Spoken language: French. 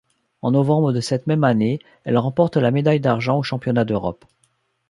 En novembre de cette même année, elle remporte la médaille d’argent aux Championnats d'Europe.